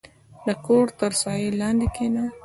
• د کور تر سایې لاندې کښېنه.